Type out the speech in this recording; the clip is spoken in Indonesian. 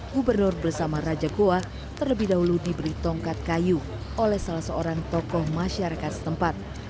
gubernur bersama raja goa terlebih dahulu diberi tongkat kayu oleh salah seorang tokoh masyarakat setempat